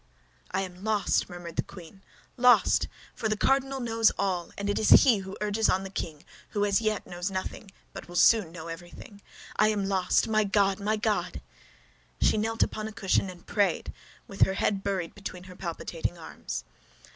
"I am lost," murmured the queen, "lost!—for the cardinal knows all, and it is he who urges on the king, who as yet knows nothing but will soon know everything. I am lost! My God, my God, my God!" She knelt upon a cushion and prayed, with her head buried between her palpitating arms.